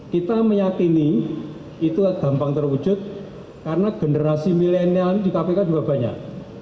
kita meyakini itu gampang terwujud karena generasi milenial ini di kpk juga banyak